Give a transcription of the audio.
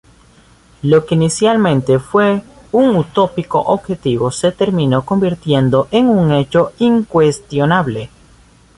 Lo que inicialmente fue un utópico objetivo se terminó convirtiendo en un hecho incuestionable.